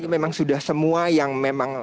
memang sudah semua yang memang